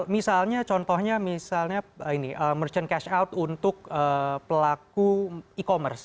misalnya contohnya misalnya merchant cash out untuk pelaku e commerce